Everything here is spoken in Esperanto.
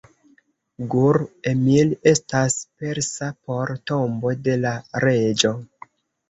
Gur-Emir estas persa por "Tombo de la Reĝo".